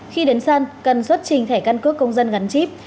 khi đến sân cần xuất trình thẻ căn cước công dân gắn chip